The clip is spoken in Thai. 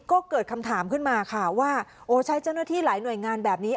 ก็เกิดคำถามขึ้นมาค่ะว่าโอ้ใช้เจ้าหน้าที่หลายหน่วยงานแบบนี้